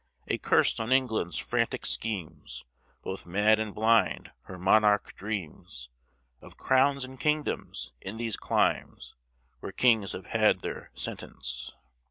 A curse on England's frantic schemes! Both mad and blind, her monarch dreams Of crowns and kingdoms in these climes, Where kings have had their sentence.